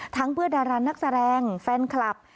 เพื่อนดารานักแสดงแฟนคลับ